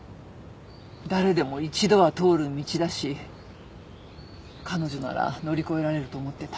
誰でも一度は通る道だし彼女なら乗り越えられると思ってた。